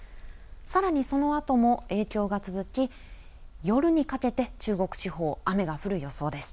さらに、そのあとも影響が続き夜にかけて中国地方、雨が降る予想です。